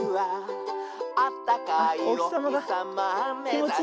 「あったかいおひさまめざして」